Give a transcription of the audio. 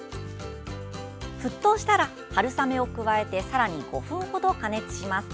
沸騰したらはるさめを加えてさらに５分程、加熱します。